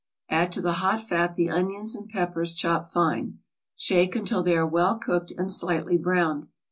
Add to the hot fat the onions and peppers chopped fine. Shake until they are well cooked and slightly browned.